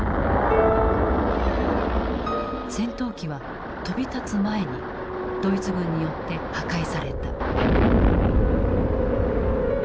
戦闘機は飛び立つ前にドイツ軍によって破壊された。